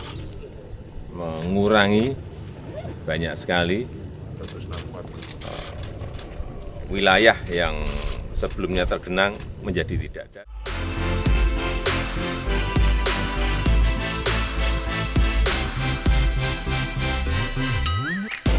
jadi mengurangi banyak sekali wilayah yang sebelumnya tergenang menjadi tidak ada